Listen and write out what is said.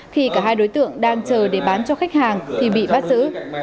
khi cả hai đối tượng đang chờ để bán cho khách hàng thì bị bắt giữ